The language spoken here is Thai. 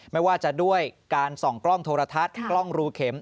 ไม่ว่าจะด้วยการส่องกล้องโทรทัศน์กล้องรูเข็ม